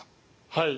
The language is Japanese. はい。